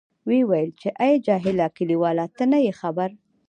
ویې ویل، چې آی جاهله کلیواله ته نه یې خبر.